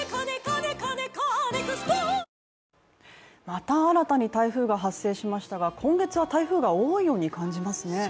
また新たに台風が発生しましたが今月は台風が多いように感じますね。